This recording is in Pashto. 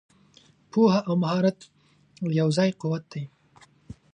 پوهه او مهارت یو ځای قوت دی.